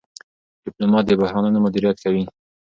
ډيپلومات د بحرانونو مدیریت کوي.